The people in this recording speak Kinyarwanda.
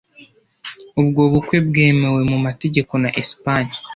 ubwo bukwe bwemewe mu mategeko na Espagne